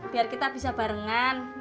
biar kita bisa barengan